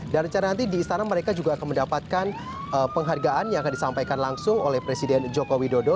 dan rencana nanti di istana mereka juga akan mendapatkan penghargaan yang akan disampaikan langsung oleh presiden joko widodo